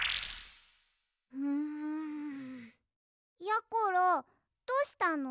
やころどうしたの？